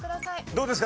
どうですか？